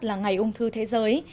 là ngày ung thư thế giới